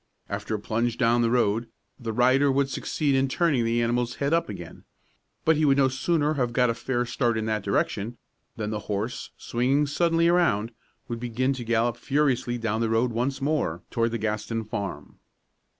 After a plunge down the road, the rider would succeed in turning the animal's head up again; but he would no sooner have got a fair start in that direction, than the horse, swinging suddenly around, would begin to gallop furiously down the road once more toward the Gaston farm.